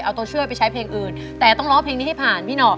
เอาตัวช่วยไปใช้เพลงอื่นแต่ต้องร้องเพลงนี้ให้ผ่านพี่หนอก